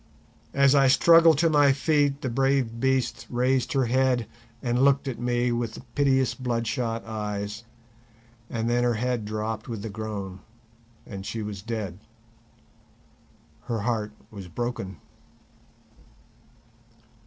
As I struggled to my feet the brave beast raised her head and looked at me with piteous bloodshot eyes, and then her head dropped with a groan and she was dead. Her heart was broken.